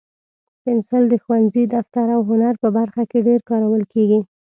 پنسل د ښوونځي، دفتر، او هنر په برخه کې ډېر کارول کېږي.